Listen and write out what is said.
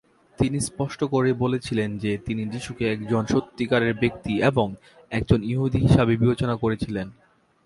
তিনি স্পষ্ট করেই বলেছিলেন যে তিনি যিশুকে একজন সত্যিকারের ব্যক্তি এবং একজন ইহুদী হিসাবে বিবেচনা করেছিলেন।